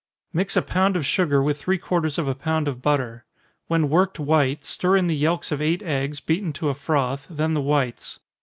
_ Mix a pound of sugar with three quarters of a pound of butter. When worked white, stir in the yelks of eight eggs, beaten to a froth, then the whites.